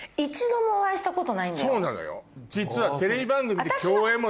そうなのよ実は。